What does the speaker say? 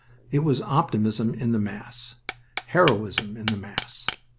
It was optimism in the mass, heroism in the mass.